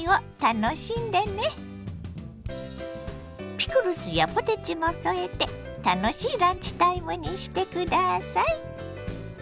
ピクルスやポテチも添えて楽しいランチタイムにしてください。